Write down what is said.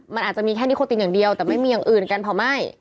มันอาจจะมีแค่นิโคตินอย่างเดียวแต่ไม่มีอย่างอื่นกันเผาไหม้